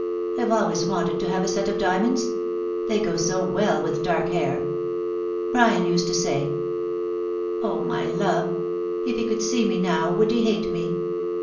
IVe always wanted to have a set of diamonds ; they go so well with dark hair. •.. Brian used to say Oh, my love !.... If he could see me now, would he hate me